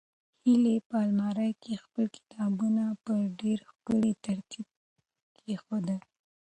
هیلې په المارۍ کې خپل کتابونه په ډېر ښکلي ترتیب کېښودل.